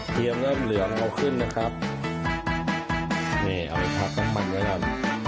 เตรียมแล้วเหลืองเอาขึ้นนะครับเอาอีกพักกับมันด้วยครับ